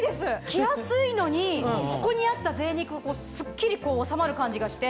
着やすいのにここにあったぜい肉スッキリ収まる感じがして。